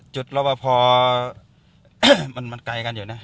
จุดรอ้วอเวอร์พอมันไกลกันอยู่นะ